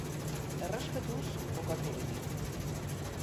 Errespetuz jokatu beti!